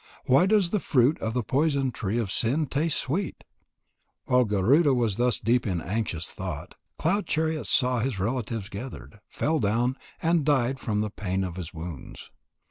Why does the fruit of the poison tree of sin taste sweet?" While Garuda was thus deep in anxious thought, Cloud chariot saw his relatives gathered, fell down, and died from the pain of his wounds.